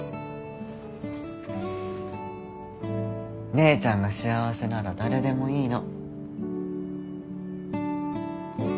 姉ちゃんが幸せなら誰でもいいの。